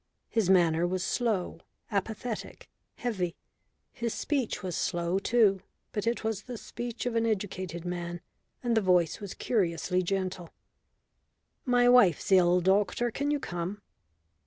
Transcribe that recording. His manner was slow, apathetic, heavy. His speech was slow too, but it was the speech of an educated man, and the voice was curiously gentle. "My wife's ill, doctor. Can you come?"